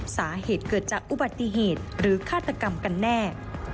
สาเหตุเกิดจากอุบัติเหตุหรือฆาตกรรมกันแน่